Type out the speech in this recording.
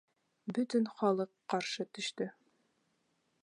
Бөтөн халыҡ ҡаршы төштө.